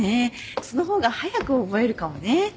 その方が早く覚えるかもね。